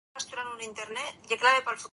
This explains the Calamarain's hatred of Q.